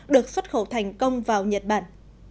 được xuất khẩu thành công vào nhật bản